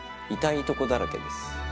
痛いところだらけです。